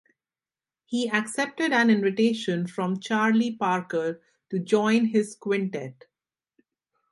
He accepted an invitation from Charlie Parker to join his quintet.